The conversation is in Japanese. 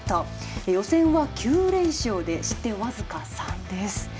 予選は９連勝で失点僅か３です。